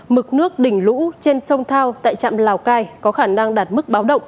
mực nước đỉnh lũ trên sông thao tại trạm lào cai có khả năng đạt mức báo động